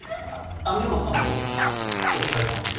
網浜さんもお疲れさまでした。